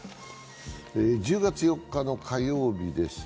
１０月４日の火曜日です。